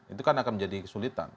itu kan akan menjadi kesulitan